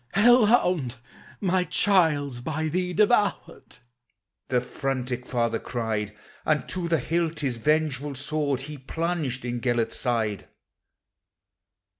" Hell hound ! my child 's by thee devoured/' The frantic father cried; And to the hilt his vengeful sword He plunged in Gelert's side.